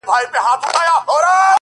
• چي تړلي مدرسې وي د پنجاب د واسکټونو ,